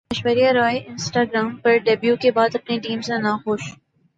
Aishwarya Rai Instagram پر debut کے بعد اپنی ٹیم سے ناخوش